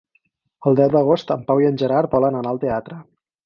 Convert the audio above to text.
El deu d'agost en Pau i en Gerard volen anar al teatre.